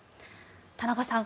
田中さん